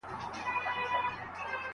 شاګرد به خپله لیکل سوې مسویده لارښود ته ښيي.